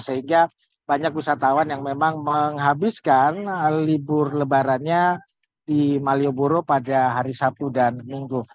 sehingga banyak wisatawan yang memang menghabiskan libur lebarannya di malioboro pada hari sabtu dan minggu